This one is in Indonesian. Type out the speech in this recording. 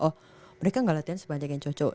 oh mereka gak latihan sebanyak yang cowok cowok